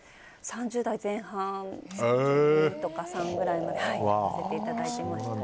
３０代前半とかそのくらいまでさせていただきました。